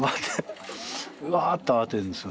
ワーッと慌てるんですよ